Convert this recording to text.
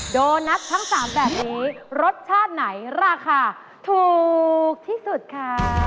โดนัททั้ง๓แบบนี้รสชาติไหนราคาถูกที่สุดค่ะ